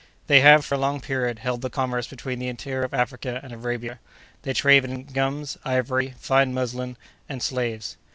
They have, for a long period, held the commerce between the interior of Africa and Arabia: they trade in gums, ivory, fine muslin, and slaves.